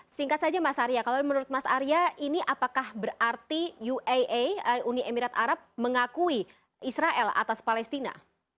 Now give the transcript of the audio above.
singkat saja mas arya kalau menurut mas arya ini apakah berarti uaa uni emirat arab mengakui israel atas palestina